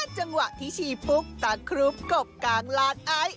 จังหวะที่ชี่ปุ๊บตากรุ๊บกบกางลากอาย